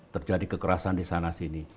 terjadi kekerasan di sana sini